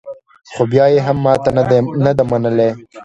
خو بیا یې هم ماته نه ده منلې